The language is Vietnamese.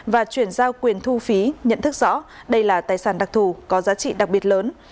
và chuyển giao quyền thu phí nhận thức rõ đây là tài sản đặc thù có giá trị đặc biệt lớn